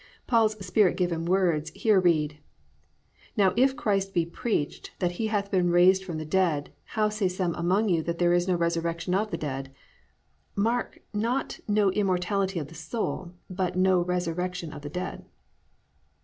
Paul's Spirit given words here read, +"Now if Christ be preached that he hath been raised from the dead, how say some among you that there is no resurrection of the dead?+ (Mark, not no immortality of the soul, but no resurrection of the dead.)